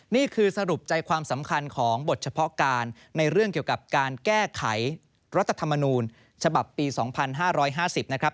นี่คือสรุปใจความสำคัญของบทเฉพาะการในเรื่องเกี่ยวกับการแก้ไขรัฐธรรมนูญฉบับปี๒๕๕๐นะครับ